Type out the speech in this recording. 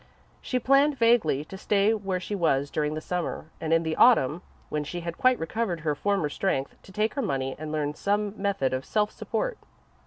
She planned, vaguely, to stay where she was during the Summer, and in the Autumn, when she had quite recovered her former strength, to take her money and learn some method of self support.